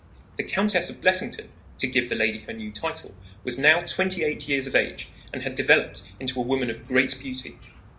The Countess of Blessington to give the lady her new title was now twenty eight years of age and had developed into a woman of great beauty.